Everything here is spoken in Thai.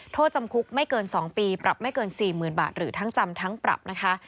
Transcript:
โทษจำคุกไม่เกิน๒ปีปรับไม่เกิน๔๐๐๐บาทหรือทั้งจำทั้งปรับนะคะ